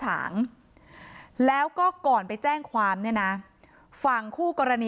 แต่จังหวะที่ผ่านหน้าบ้านของผู้หญิงคู่กรณีเห็นว่ามีรถจอดขวางทางจนรถผ่านเข้าออกลำบาก